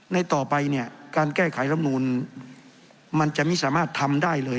ต่อไปเนี่ยการแก้ไขรำนูลมันจะไม่สามารถทำได้เลย